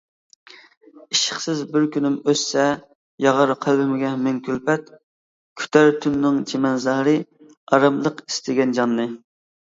ئىشقسىز بىر كۈنۈم ئۆتسە ياغار قەلبىمگە مىڭ كۈلپەت، كۈتەر تۈننىڭ چىمەنزارى ئاراملىق ئىستىگەن جاننى.